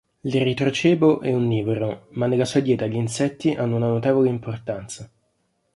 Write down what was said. L'eritrocebo è onnivoro, ma nella sua dieta gli insetti hanno una notevole importanza.